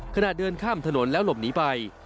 ขณะเดินข้ามถนนแล้วหลบหนีไป